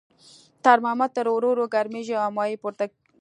ترمامتر ورو ورو ګرمیږي او مایع پورته ځي.